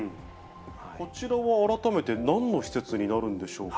こちらは、改めてなんの施設になるんでしょうか。